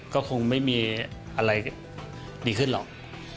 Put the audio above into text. ก็คงไม่มีอะไรดีขึ้นหรอก